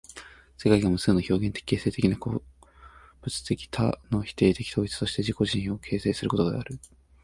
世界が無数の表現的形成的な個物的多の否定的統一として自己自身を形成することである。